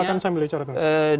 silahkan sambil bicara bang